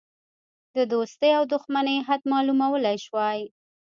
د دوستی او دوښمنی حد معلومولی شوای.